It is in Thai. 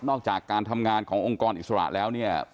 จากการทำงานขององค์กรอิสระแล้วเนี่ย